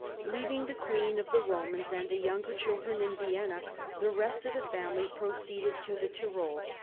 Leaving the Queen of the Romans and the younger children in Vienna, the rest of the family proceeded to the Tyrol.